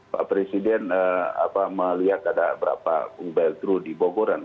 pak presiden melihat ada berapa bailtrue di bogoran